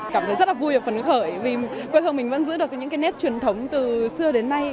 cảm thấy rất là vui ở phần khởi vì quê hương mình vẫn giữ được những nét truyền thống từ xưa đến nay